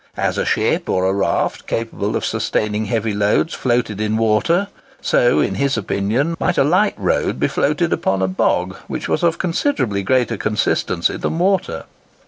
As a ship, or a raft, capable of sustaining heavy loads floated in water, so in his opinion, might a light road be floated upon a bog, which was of considerably greater consistency than water.